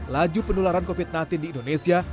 laju penularan covid sembilan belas di indonesia